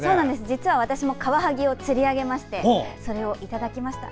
実は私もカワハギを釣り上げましてそれをいただきました。